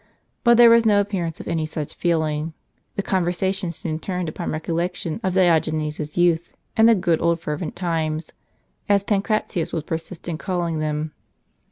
But there was no appearance of any such feeling. The conversa tion soon turned upon recollections of Diogenes's youth, and the good old fervent times, as Pancratius would persist in calling them.